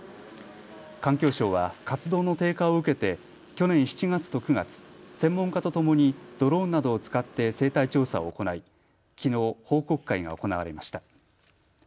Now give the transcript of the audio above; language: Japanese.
環境省は活動の低下を受けて去年７月と９月、専門家とともにドローンなどを使って生態調査を行いきのう報告会が行われました。